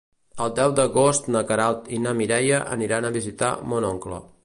El deu d'agost na Queralt i na Mireia aniran a visitar mon oncle.